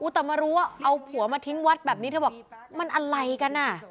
แต่มารู้ว่าเอาผัวมาทิ้งวัดแบบนี้เธอบอกมันอะไรกันอ่ะ